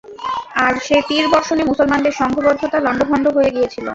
আর সে তীর বর্ষণে মুসলমানদের সংঘবদ্ধতা লণ্ডভণ্ড হয়ে গিয়েছিল।